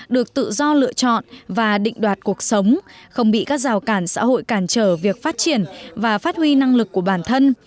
được tự do lựa chọn và định đoạt cuộc sống không bị các rào cản xã hội cản trở việc phát triển và phát huy năng lực của bản thân